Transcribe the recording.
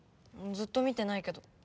ずっと見てないけど。